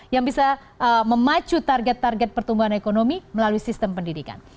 yang bisa memacu target target pertumbuhan ekonomi melalui sistem pendidikan